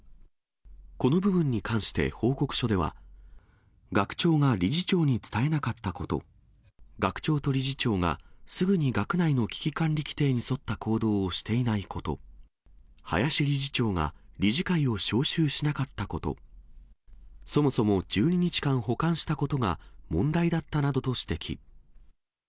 この部分に関して報告書では、学長が理事長に伝えなかったこと、学長と理事長がすぐに学内の危機管理規定に沿った行動をしていないこと、林理事長が理事会を招集しなかったこと、そもそも１２日間保管したことが問題だったなどと指摘。